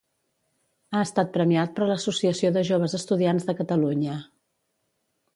Ha estat premiat per l'Associació de Joves Estudiants de Catalunya.